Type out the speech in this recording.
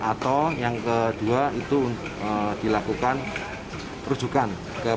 atau yang kedua itu dilakukan rujukan